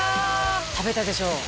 食べたでしょ？